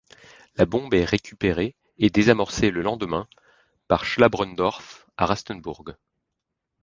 La bombe est récupérée et désamorcée le lendemain par Schlabrendorff, à Rastenburg.